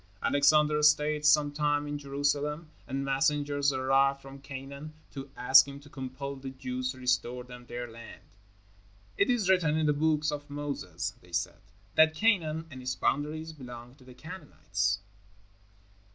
Alexander stayed some time in Jerusalem, and messengers arrived from Canaan to ask him to compel the Jews to restore them their land. "It is written in the Books of Moses," they said, "that Canaan and its boundaries belong to the Canaanites."